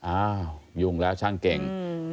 อ้าวยุ่งแล้วช่างเก่ง